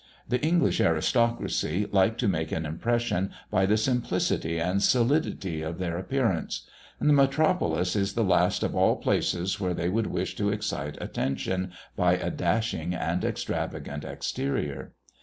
The English aristocracy like to make an impression by the simplicity and solidity of their appearance; and the metropolis is the last of all places where they would wish to excite attention by a dashing and extravagant exterior.